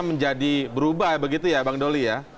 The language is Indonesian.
menjadi berubah begitu ya bang doli ya